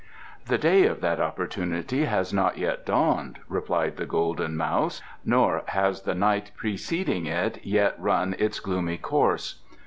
"The day of that opportunity has not yet dawned," replied the Golden Mouse; "nor has the night preceding it yet run its gloomy course.